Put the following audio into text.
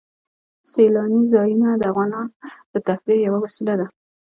سیلانی ځایونه د افغانانو د تفریح یوه وسیله ده.